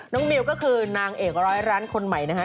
น้องมิวก็คือนางเอก๑๐๐ล้านคนใหม่นะฮะ